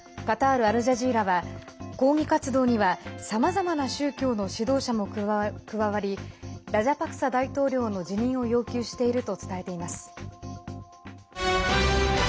カタールアルジャジーラは抗議活動にはさまざまな宗教の指導者も加わりラジャパクサ大統領の辞任を要求していると伝えています。